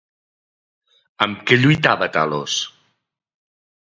Amb què lluitava Talos?